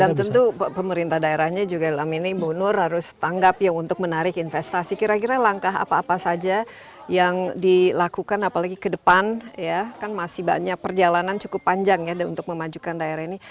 dan tentu pemerintah daerahnya juga dalam ini mbak nur harus tanggap ya untuk menarik investasi kira kira langkah apa apa saja yang dilakukan apalagi ke depan ya kan masih banyak perjalanan cukup panjang ya untuk memajukan daerah ini